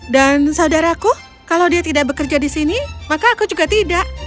dan saudaraku kalau dia tidak bekerja di sini maka aku juga tidak